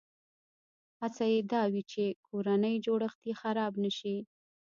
هڅه یې دا وي چې کورنی جوړښت یې خراب نه شي.